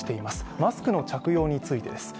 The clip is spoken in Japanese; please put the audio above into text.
マスクの着用についてです。